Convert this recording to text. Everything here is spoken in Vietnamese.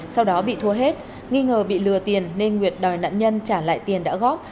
sau đó bị thua hết nghi ngờ bị lừa tiền nên nguyệt đòi nạn nhân trả lại tiền đã góp